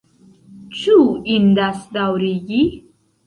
Ĉu indas daŭrigi?